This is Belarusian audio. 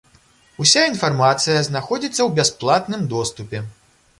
Уся інфармацыя знаходзіцца ў бясплатным доступе.